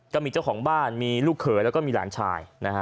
กะหมิดเจ้าของบ้านมีลูกเขินและก็มีหลานชาย